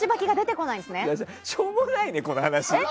しょうもないね、この話。